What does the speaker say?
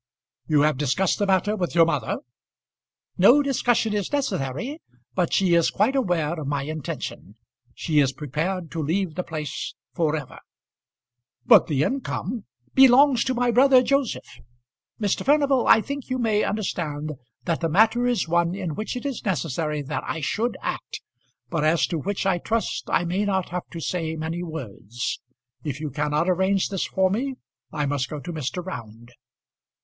"You have discussed the matter with your mother?" "No discussion is necessary, but she is quite aware of my intention. She is prepared to leave the place for ever." "But the income " "Belongs to my brother Joseph. Mr. Furnival, I think you may understand that the matter is one in which it is necessary that I should act, but as to which I trust I may not have to say many words. If you cannot arrange this for me, I must go to Mr. Round."